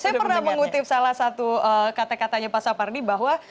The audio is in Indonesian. saya pernah mengutip salah satu kata katanya pak sapardi bahwa